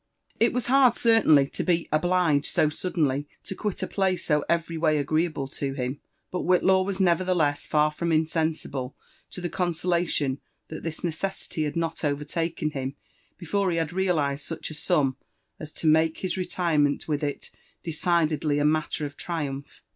It was hard, certainly, to be' obliged so suddenly to quit a plane so every way agreeable to him ; but Whitlaw was nevertheless far from insensible to the consolation that this necessity had not overtaken him before he had realised such a sum as to make his retirement with ii decidedly a matter of triumph.